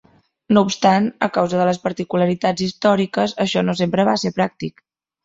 No obstant, a causa de les particularitats històriques, això no sempre va ser pràctic.